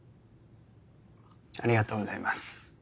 ありがとうございます。